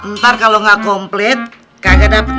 ntar kalau nggak komplit kagak dapet